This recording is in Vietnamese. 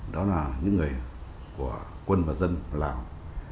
đó là những người của quân và dân lào